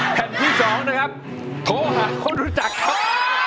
แผ่นที่๒นะครับโทรหาคนรู้จักครับ